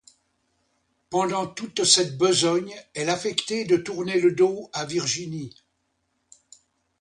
Pendant toute cette besogne, elle affectait de tourner le dos à Virginie.